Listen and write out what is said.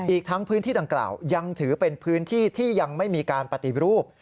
อีกทั้งพื้นที่ดังกล่าวยังถือเป็นพื้นที่ที่ยังไม่มีการปฏิรูป